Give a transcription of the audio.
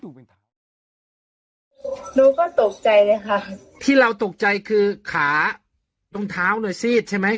นุ้งก็ตกใจนะครับทีเราตกใจคือขาดรองเท้าหน้าซีดใช่ไหม